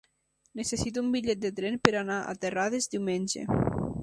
Necessito un bitllet de tren per anar a Terrades diumenge.